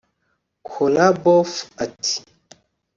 Kola Boof Ati